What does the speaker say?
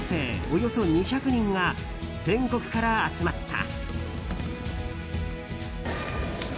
およそ２００人が全国から集まった。